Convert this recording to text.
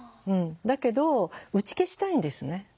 だけど打ち消したいんですね。